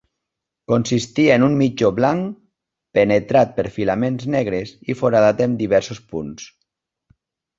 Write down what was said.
Consistia en un mitjó blanc penetrat per filaments negres i foradat en diversos punts.